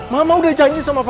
mama udah janji sama papa